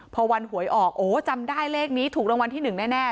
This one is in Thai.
พอวันหวยออกโอ้จำได้เลขนี้ถูกรางวัลที่๑แน่